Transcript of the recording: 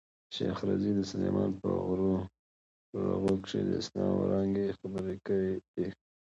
شېخ رضي د سلېمان په غرو رغو کښي د اسلام وړانګي خپرې کړي دي.